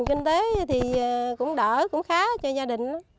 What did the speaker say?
kinh tế thì cũng đỡ cũng khá cho gia đình